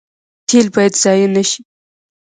تیل باید ضایع نشي